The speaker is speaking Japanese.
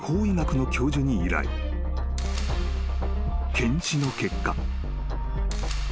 ［検視の結果］